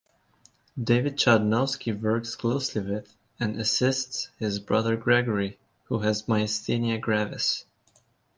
David Chudnovsky works closely with and assists his brother Gregory, who has myasthenia gravis.